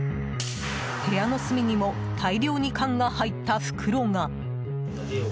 部屋の隅にも大量に缶が入った袋が。